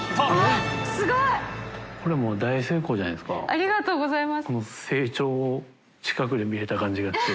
ありがとうございます。